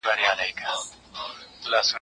پلان د ښوونکي له خوا منظميږي؟